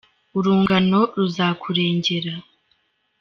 urungano ruzakurengera?